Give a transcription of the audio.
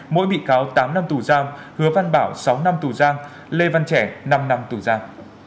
mỗi bị cáo tám năm tù giam hứa văn bảo sáu năm tù giam lê văn trẻ năm năm tù giam